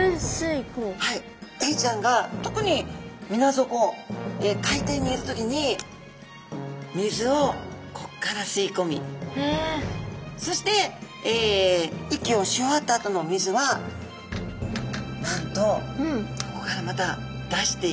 エイちゃんが特にみな底海底にいる時に水をこっからすいこみそして息をし終わったあとのお水はなんとここからまた出していくという。